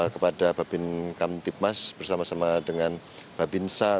kepada bapak bintik mas bersama sama dengan bapak bintik sa